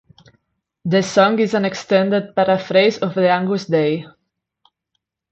The song is an extended paraphrase of the Agnus Dei.